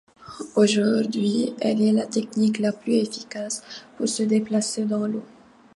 Aujourd'hui, elle est la technique la plus efficace pour se déplacer dans l‘eau.